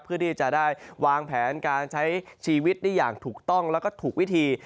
เพื่อที่จะได้วางแผนการใช้ชีวิตได้อย่างถูกต้องแล้วก็ถูกวิธี